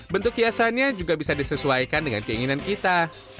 bentuk hiasannya juga bisa disesuaikan dengan keinginan kita